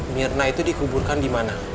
mirna itu dikuburkan dimana